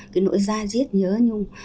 cái nỗi ra riết nhớ nhung